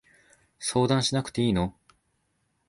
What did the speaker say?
相談しなくていいの？